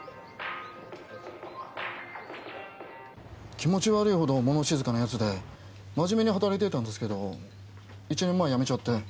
気持ち悪いほど物静かな奴で真面目に働いていたんですけど１年前辞めちゃって。